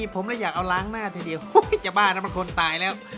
ผมแหละอยากเอาร้างหน้าเท่าเดียวโอ้ยจะบ้านะมันคนตายแล้ว